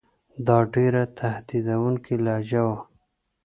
دا ډېره تهدیدوونکې لهجه وه.